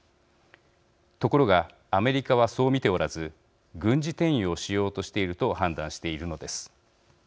ところがアメリカはそう見ておらず軍事転用しようとしていると判断しているのです。